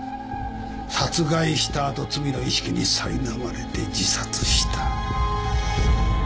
殺害した後罪の意識にさいなまれて自殺した。